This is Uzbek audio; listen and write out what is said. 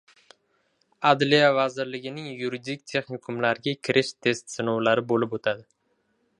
Adliya vazirligining yuridik texnikumlariga kirish test sinovlari bo‘lib o‘tadi